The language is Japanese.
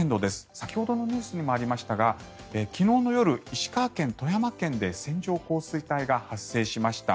先ほどのニュースにもありましたが昨日の夜、石川県、富山県で線状降水帯が発生しました。